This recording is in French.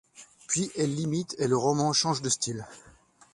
Puis elle l'imite et le roman change de style.